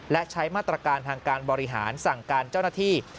และใช้มาตรการทางการบริหารสั่งการเจ้าหน้าที่